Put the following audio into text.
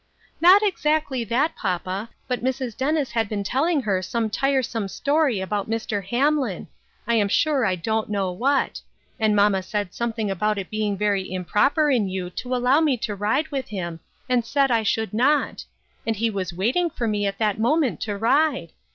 " Not exactly that, papa, but Mrs. Dennis had been telling her some tiresome story about Mr. Hamlin ; I am sure I don't know what ; and mamma said something about it being very im proper in you to allow me to ride with him, and said I should not. And he was waiting for me at that moment to ride.